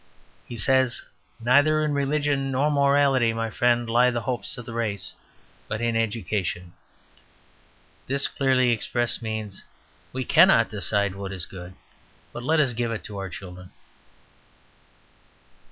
He says, "Neither in religion nor morality, my friend, lie the hopes of the race, but in education." This, clearly expressed, means, "We cannot decide what is good, but let us give it to our children."